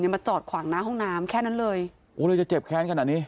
มาจอดขวางหน้าห้องน้ำแค่นั้นเลยโอ้เลยจะเจ็บแค้นขนาดนี้